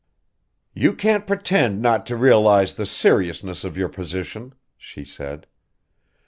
"You can't pretend not to realise the seriousness of your position," she said.